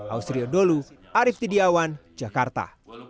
ausrio dulu arief tidiawan jakarta